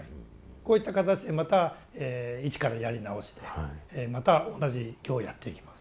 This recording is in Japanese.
こういった形でまた一からやり直しでまた同じ行をやっていきます。